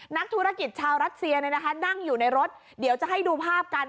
นักธุรกิจชาวรัสเซียนั่งอยู่ในรถเดี๋ยวจะให้ดูภาพกัน